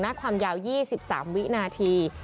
หน้าความยาว๒๓วินาที